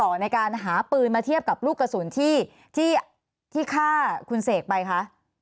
ในการหาปืนมาเทียบกับลูกกระสุนที่ฆ่าคุณเสกไปคะ